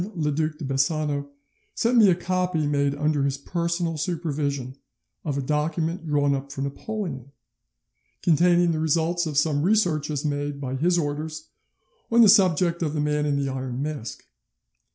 le Duc de Bassano sent me a copy made under his personal supervision of a document drawn up for Napoleon, containing the results of some researches made by his orders on the subject of the Man in the Iron Mask.